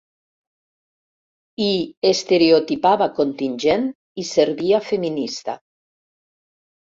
I estereotipava contingent i servia feminista.